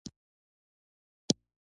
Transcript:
آیا له ترکمنستان سره ښې اړیکې لرو؟